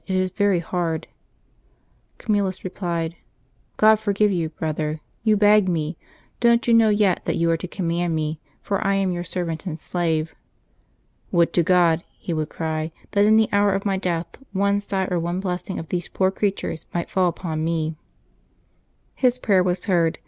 it is very hard.^' Camillus replied, '^ God forgive you, brother ! You beg me ! Don't you know yet that you are to command me, for I am your servant and slave.'^ " Would to God/' he would cry, " that in the hour of my death one sigh or one blessing of these poor creatures might fall upon me !" His prayer was heard.